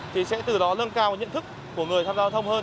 thì sẽ từ đó lâng cao nhận thức của người tham gia giao thông hơn